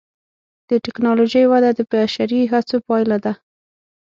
د ټکنالوجۍ وده د بشري هڅو پایله ده.